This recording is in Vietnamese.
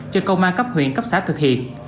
cho công an cấp huyện cấp xã thực hiện